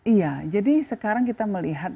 iya jadi sekarang kita melihat